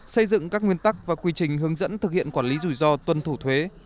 xây dựng các nguyên tắc và quy trình hướng dẫn thực hiện quản lý rủi ro tuân thủ thuế